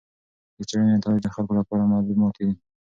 د څېړنې نتایج د خلکو لپاره معلوماتي دي.